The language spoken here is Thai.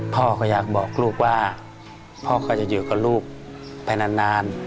พ่อก็อยากบอกลูกว่าพ่อก็จะอยู่กับลูกไปนาน